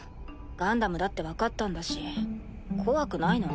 ガンダムだって分かったんだし怖くないの？